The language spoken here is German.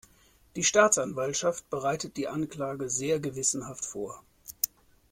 Die Staatsanwaltschaft bereitet die Anklage sehr gewissenhaft vor.